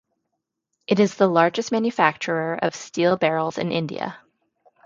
It is the largest manufacturer of steel barrels in India.